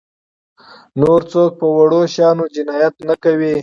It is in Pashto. نور څوک په وړو شیانو جنایت نه کوي.